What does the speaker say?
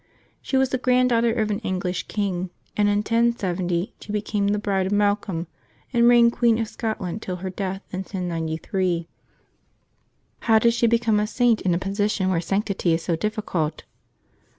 She was the grand daughter of an English king; and in 1070 she became the bride of Malcolm, and reigned Queen of Scotland till her death in 1093. How did she become a Saint in a position where sanctity is so difficult?